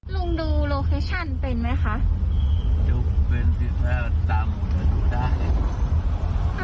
ลุงดูโลเคชั่นเป็นไหมคะ